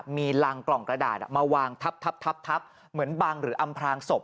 มีรังกล่องกระดาษมาวางทับเหมือนบังหรืออำพลางศพ